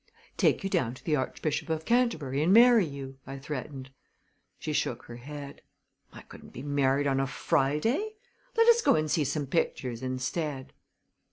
"Take you down to the Archbishop of Canterbury and marry you!" I threatened. She shook her head. "I couldn't be married on a Friday! Let us go and see some pictures instead."